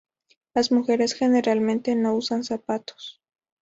Las mujeres generalmente no usan zapatos.